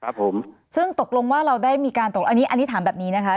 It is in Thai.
ครับผมซึ่งตกลงว่าเราได้มีการตกอันนี้อันนี้ถามแบบนี้นะคะ